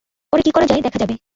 পরে কি করা যায় দেখা যাবে।